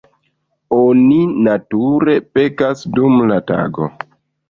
Oni, nature, pekas dum la tago.